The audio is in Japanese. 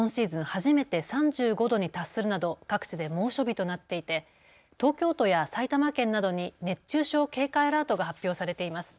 初めて３５度に達するなど各地で猛暑日となっていて東京都や埼玉県などに熱中症警戒アラートが発表されています。